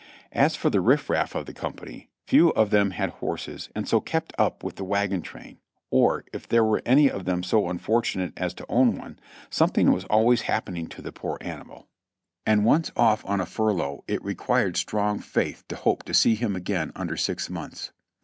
As for the rifif raf¥ of the company, few of them had horses, and so kept up with the wagon train; or if there were any of them so unfortunate as to own one, something was always happening to the poor animal, and once of¥ on a fur 442 JOHNNY REB AND BILIvY YANK lough it required strong faith to hope to see him again under six months.